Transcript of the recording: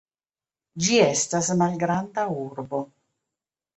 Ĝi estas malgranda urbo.